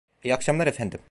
İyi akşamlar efendim.